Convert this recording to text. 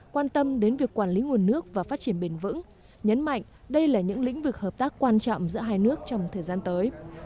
quan tâm đến việc quản lý nguồn nước và phát triển bền vững nhấn mạnh đây là những lĩnh vực hợp tác quan trọng giữa hai nước trong thời gian tới